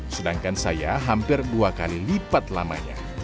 sedangkan saya hampir dua kali lipat lamanya